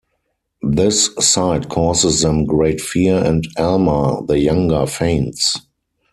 This sight causes them great fear and Alma the Younger faints.